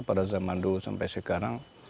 pada zaman dulu sampai sekarang